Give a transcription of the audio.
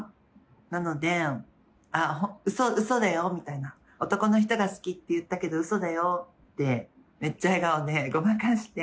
なので、うそだよみたいな、男の人が好きって言ったけど、うそだよって、めっちゃ笑顔でごまかして。